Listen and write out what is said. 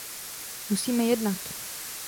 Musíme jednat!